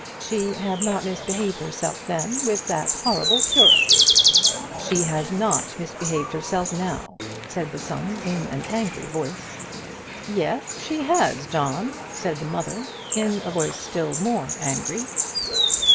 She had not misbehaved herself then with that horrible curate." "She has not misbehaved herself now," said the son, in an angry voice. "Yes, she has, John," said the mother, in a voice still more angry.